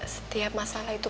setiap masalah itu